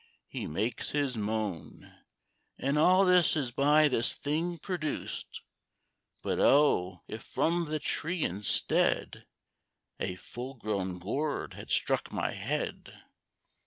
he makes his moan, "And all is by this thing produced: But, oh! if from the tree, instead, A full grown Gourd had struck my head!